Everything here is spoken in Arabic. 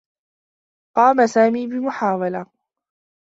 قام سامي بمحاولة.